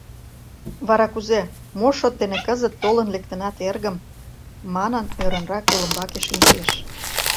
— Вара кузе, мо шот дене кызыт толын лектынат, эргым? — манын, ӧрынрак, олымбаке шинчеш.